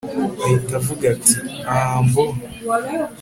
ahita avuga ati aaaambon